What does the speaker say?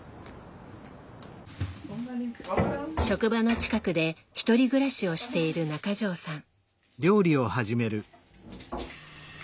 職場の近くで１人暮らしをしている中条さん。